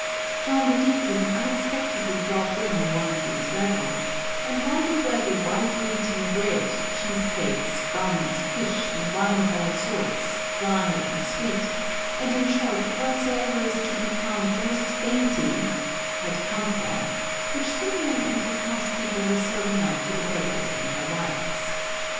John the Deacon unexpectedly dropped in on one of these revels, and wondered where the "white wheaten bread, cheesecakes, buns, fish, and wine of all sorts, dry and sweet, and, in short, whatsoever is to be found most dainty," ^ had come from, which Symeon and his housekeeper were serving out to the beggars and their wives.